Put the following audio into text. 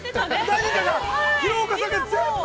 ◆何かが、廣岡さんが、全部。